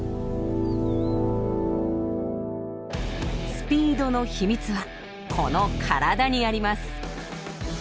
スピードの秘密はこの体にあります。